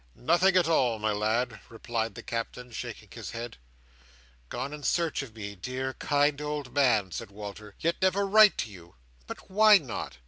"Nothing at all, my lad," replied the Captain, shaking his head. "Gone in search of me, dear, kind old man," said Walter: "yet never write to you! But why not?